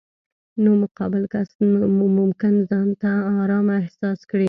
نو مقابل کس مو ممکن ځان نا ارامه احساس کړي.